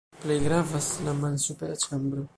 Plej gravas la malsupera ĉambro.